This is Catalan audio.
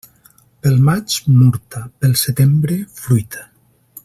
Pel maig, murta; pel setembre, fruita.